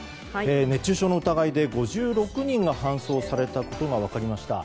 熱中症の疑いで５６人が搬送されたことが分かりました。